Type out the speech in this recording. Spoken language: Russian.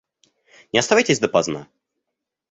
Не оставайтесь допоздна.